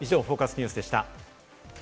ニュースでした。